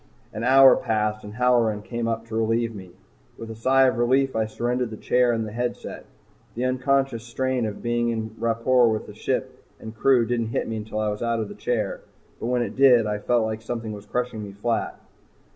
An hour passed and Halloran came up to relieve me. With a sigh of relief I surrendered the chair and headset. The unconscious strain of being in rapport with ship and crew didn't hit me until I was out of the chair. But when it did, I felt like something was crushing me flat.